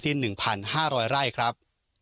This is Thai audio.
สิ้นหนึ่งพันห้าร้อยไร่ครับ